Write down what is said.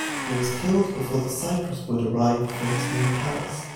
He was killed before the cypress wood arrived for his new palace.